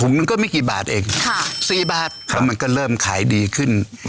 เมื่อไม่กี่บาทเอง๔บาทแล้วมันก็เริ่มขายดีขึ้น